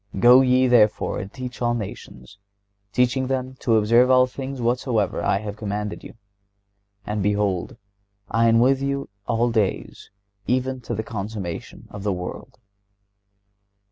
Go ye, therefore, and teach all nations, ... teaching them to observe all things whatsoever I have commanded you. And behold I am with you all days, even to the consummation of the world."